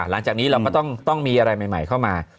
หลังจากนี้เราก็ต้องมีอะไรใหม่เข้ามา